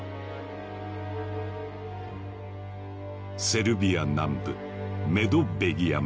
セルビア南部メドヴェギア村。